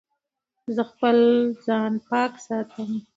زه خپل ځان پاک ساتم.